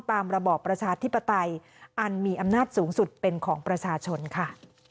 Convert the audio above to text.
ระบอบประชาธิปไตยอันมีอำนาจสูงสุดเป็นของประชาชนค่ะ